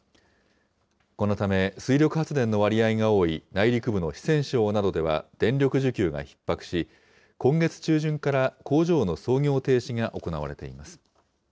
このため、水力発電の割合が多い内陸部の四川省などでは電力需給がひっ迫し、今月中旬から工場の操業停止が行われています。